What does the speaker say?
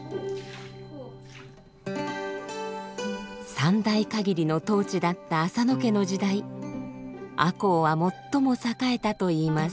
３代限りの統治だった浅野家の時代赤穂は最も栄えたといいます。